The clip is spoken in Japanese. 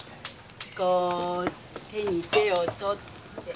こう手に手を取って。